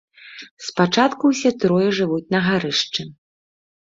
Спачатку ўсе трое жывуць на гарышчы.